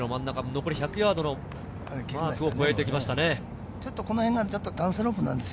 残り１００ヤードのマークを超えていきましたね。